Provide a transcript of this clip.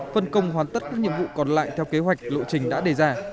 phân công hoàn tất các nhiệm vụ còn lại theo kế hoạch lộ trình đã đề ra